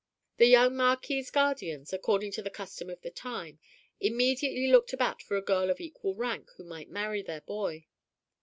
The young Marquis's guardians, according to the custom of the time, immediately looked about for a girl of equal rank who might marry their boy.